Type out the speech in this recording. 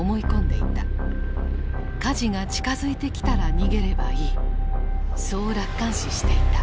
火事が近づいてきたら逃げればいいそう楽観視していた。